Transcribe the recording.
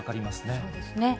そうですね。